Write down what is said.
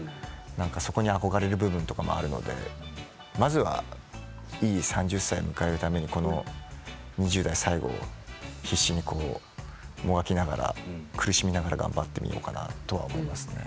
そこに憧れる部分もあるのでまずは、いい３０歳を迎えるために２０代最後必死にもがきながら苦しみながら頑張ってみようかなとは思いますね。